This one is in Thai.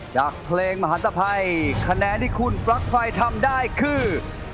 จากเพลงมหันตภัยคะแนนที่คุณปลั๊กไฟทำได้คือ